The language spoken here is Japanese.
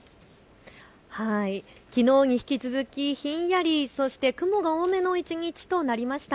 きのうに引き続きひんやり、そして雲が多めの一日となりました。